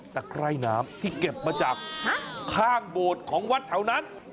แต่ไกล้น้ำที่เก็บมาจากข้างโบสถ์ของวัดเท่านั้น